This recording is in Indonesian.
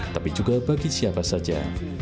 tapi juga bagi siapa saja